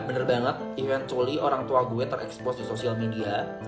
ya benar banget eventualy orang tua gue terekspos di sosial media